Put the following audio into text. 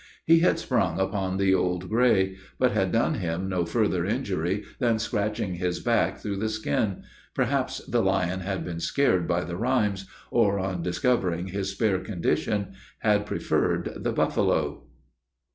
He had sprung upon the Old Gray, but had done him no further injury than scratching his back through the skin: perhaps the lion had been scared by the rheims, or on discovering his spare condition, had preferred the buffalo.